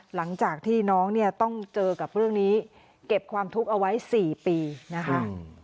หลังจากที่น้องเนี่ยต้องเจอกับเรื่องนี้เก็บความทุกข์เอาไว้๔ปีนะคะ